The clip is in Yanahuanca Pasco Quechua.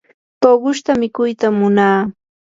tuqushta mikuytam munaa.